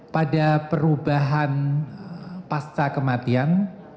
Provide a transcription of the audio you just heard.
pada perubahan pasta kematian